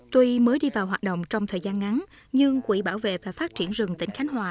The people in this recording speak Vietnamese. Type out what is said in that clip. tuy mới đi vào hoạt động trong thời gian ngắn nhưng quỹ bảo vệ và phát triển rừng tỉnh khánh hòa